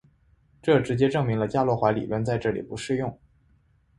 这直接证明了伽罗华理论在这里不适用。